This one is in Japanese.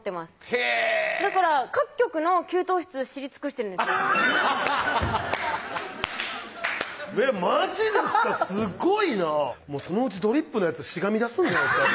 へぇだから各局の給湯室知り尽くしてるんですマジですかすごいなぁそのうちドリップのやつしがみだすんじゃないですか？